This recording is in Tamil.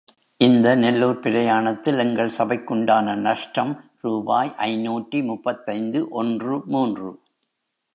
இந்த நெல்லூர்ப் பிரயாணத்தில், எங்கள் சபைக்குண்டான நஷ்டம் ரூபாய் ஐநூற்று முப்பத்தைந்து ஒன்று மூன்று.